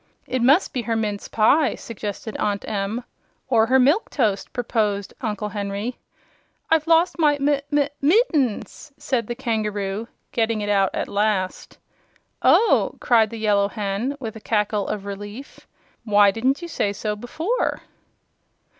"It must be her mince pie," suggested Aunt Em. "Or her milk toast," proposed Uncle Henry. "I've lost my mi mi mittens!" said the kangaroo, getting it out at last. "Oh!" cried the Yellow Hen, with a cackle of relief. "Why didn't you say so before?"